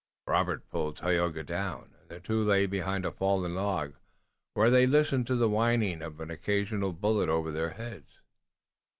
Robert pulled Tayoga down, and the two lay behind a fallen log, where they listened to the whining of an occasional bullet over their heads.